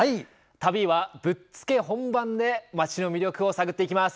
旅はぶっつけ本番で街の魅力を探っていきます。